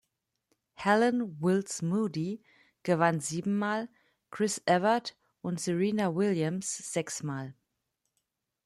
Helen Wills Moody gewann siebenmal, Chris Evert und Serena Williams sechsmal.